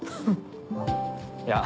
いや。